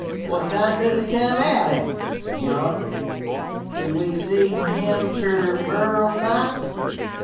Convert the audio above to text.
What time does he come out at, John? Could we see him ter morrer night?'